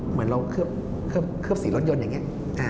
เหมือนเราเคลือบสีรถยนต์อย่างนี้